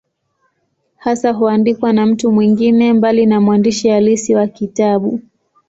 Hasa huandikwa na mtu mwingine, mbali na mwandishi halisi wa kitabu.